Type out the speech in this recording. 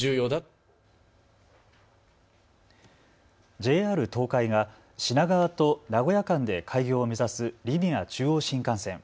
ＪＲ東海が品川と名古屋間で開業を目指すリニア中央新幹線。